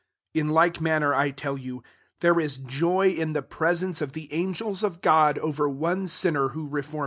10 In like manner, I tell you, there is joy in the presence of the angels of God over one sin ner who reformeth.